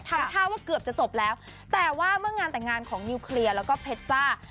ทำท่าว่าเกือบจะจบแล้วแต่ว่าเมื่องานแต่งงานของนิวเคลียร์แล้วก็เพชรจ้า